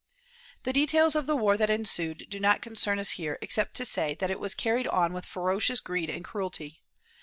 The details of the war that ensued do not concern us here except to say that it was carried on with ferocious greed and cruelty.